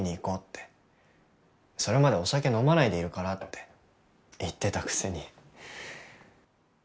それまでお酒飲まないでいるからって言ってたくせに。